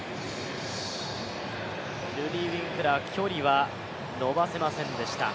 ルディー・ウィンクラー、距離は伸ばせませんでした。